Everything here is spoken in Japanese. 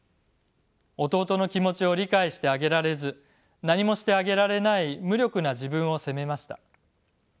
弟の気持ちを理解してあげられず何もしてあげられない無力な自分を責めました。